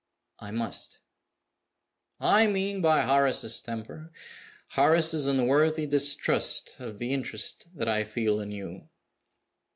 "I must." "I mean by Horace's temper, Horace's unworthy distrust of the interest that I feel in you."